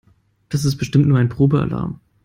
Das ist bestimmt nur ein Probealarm.